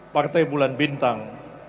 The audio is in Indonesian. partai bulan bintang